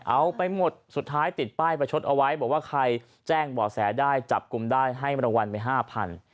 เอาไปหมดสุดท้ายติดป้ายประชดเอาไว้บอกว่าใครแจ้งบ่อแสได้จับกลุ่มได้ให้รางวัลไปห้าพัน